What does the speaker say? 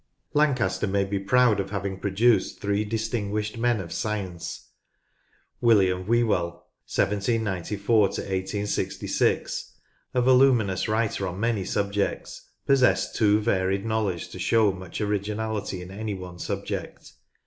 Lancaster may be proud of having produced three distinguished men of science. William Whewell (1794 1866), a voluminous writer on many subjects, possessed too varied knowledge to show much originality in any one subject.